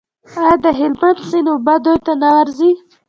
آیا د هلمند سیند اوبه دوی ته نه ورځي؟